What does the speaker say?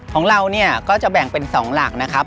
ของเราเนี่ยก็จะแบ่งเป็น๒หลักนะครับ